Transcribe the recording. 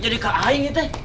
jadi kak aing ya teh